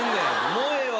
もうええわ。